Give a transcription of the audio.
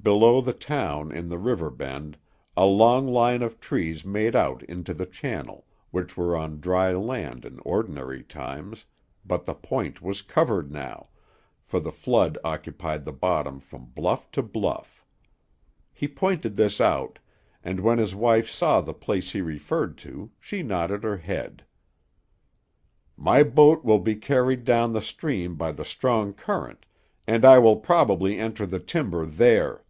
Below the town, in the river bend, a long line of trees made out into the channel, which were on dry land in ordinary times, but the point was covered now, for the flood occupied the bottom from bluff to bluff. He pointed this out, and when his wife saw the place he referred to, she nodded her head. "My boat will be carried down the stream by the strong current, and I will probably enter the timber there.